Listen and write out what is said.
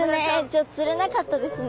ちょっと釣れなかったですね。